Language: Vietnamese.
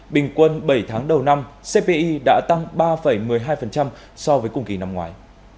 bình quân bảy tháng đầu năm cpi đã tăng ba một mươi hai so với cùng kỳ năm ngoài